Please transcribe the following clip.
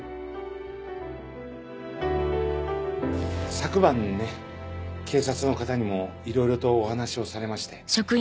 昨晩ね警察の方にもいろいろとお話をされまして。